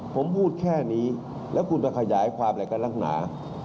ผมพูดแค่นี้แล้วคุณประขายายความรายการร่างหนา